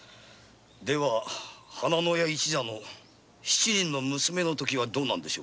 では花廼屋一座の七人の娘の時はどうなんでしょうか？